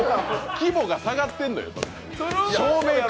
規模が下がってんのよ。